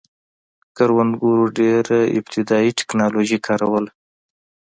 کروندګرو ډېره ابتدايي ټکنالوژي کاروله